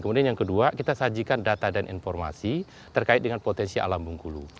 kemudian yang kedua kita sajikan data dan informasi terkait dengan potensi alam bungkulu